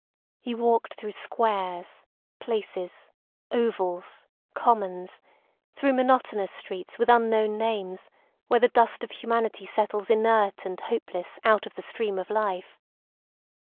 He walked through Squares, Places, Ovals, Commons, through monotonous streets with unknown names where the dust of humanity settles inert and hopeless out of the stream of life.